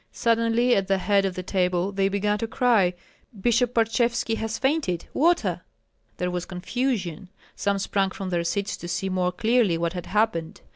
Suddenly at the head of the table they began to cry: "Bishop Parchevski has fainted! Water!" There was confusion. Some sprang from their seats to see more clearly what had happened.